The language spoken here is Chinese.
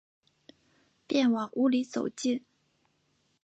便往屋里走进